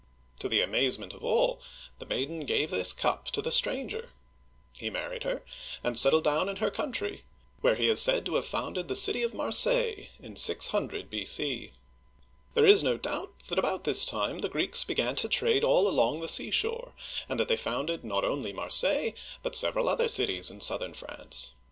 To the amaze ment of all, the maiden gave this cup to the stranger. He married her and settled down in her country, where he is uigiTizea Dy VJjOOQIC 22 OLD FRANCE said to have founded the city of Marseilles (mar salz') in 6(X) B.C. There is no doubt that about this time the Greeks began to trade all along the seashore, and that they founded not only Marseilles but several other cities in southern France.